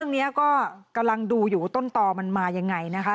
เรื่องนี้ก็กำลังดูอยู่ต้นต่อมันมายังไงนะคะ